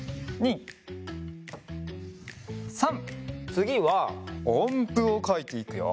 つぎはおんぷをかいていくよ。